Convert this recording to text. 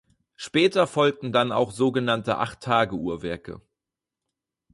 Später folgten dann auch sogenannte Acht-Tage-Uhrwerke.